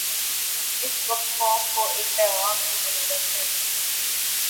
اس وقت قوم کو ایک پیغام کی ضرورت ہے۔